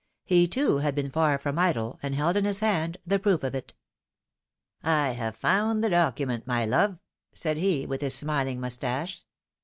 He, too, had been far from idle, and held in his hand the proof of it. " I have found the document, my love, " said he, with his smiling mustache.